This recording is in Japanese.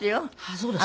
そうですか？